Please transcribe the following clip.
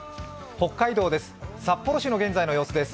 北海道です。